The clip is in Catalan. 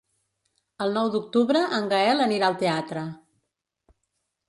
El nou d'octubre en Gaël anirà al teatre.